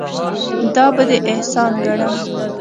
دا به دې احسان ګڼم.